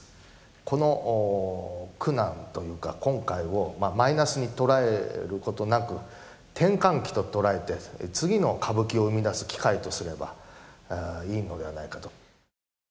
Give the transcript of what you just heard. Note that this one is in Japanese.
この苦難というか、今回をマイナスに捉えることなく、転換期と捉えて、次の歌舞伎を生み出す機会とすればいいのではないかと。